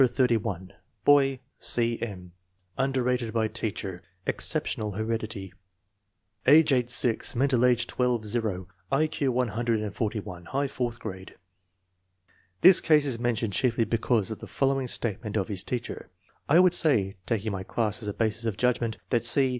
81. Boy: C. M. Underrated by teacher. Ex ceptional heredity. Age 8 6; mental age 12 0; I Q 141; high fourth grade. This case is mentioned chiefly because of the follow ing statement of his teacher: " I would say, taking my class as a basis of judgment, that C.